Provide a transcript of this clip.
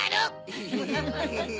フフフフ。